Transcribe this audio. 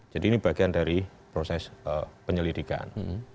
jadi ini bagian dari proses penyelidikan